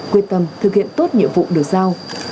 quyết tâm thực hiện tốt nhiệm vụ được sao